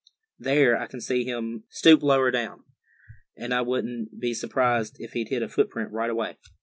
There, I can see him stoop down lower, and I wouldn't be surprised if he'd hit a footprint right away."